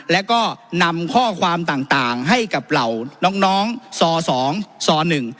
แล้วก็นำข้อความต่างต่างให้กับเหล่าน้องน้องซอสองซอหนึ่ง